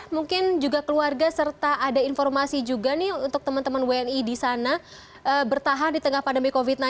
mungkin juga keluarga serta ada informasi juga nih untuk teman teman wni di sana bertahan di tengah pandemi covid sembilan belas